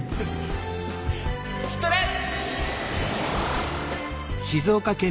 ストレッ！